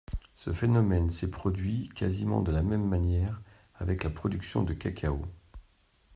Ce phénomène s'est produit quasiment de la même manière avec la production de cacao.